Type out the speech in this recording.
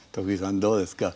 どうですか？